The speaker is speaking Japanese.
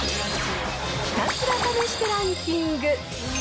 ひたすら試してランキング。